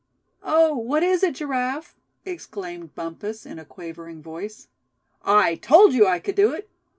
"Oh! what is it, Giraffe?" exclaimed Bumpus, in a quavering voice. "I told you I c'd do it!